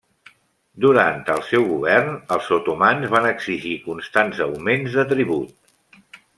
Durant el seu govern els otomans van exigir constants augments de tribut.